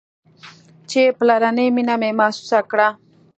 چې پلرنۍ مينه مې محسوسه کړه.